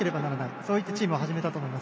そう言ってチームを始めたと思います。